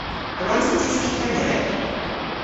A wrons i dyski Kernewek?